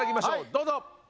どうぞ！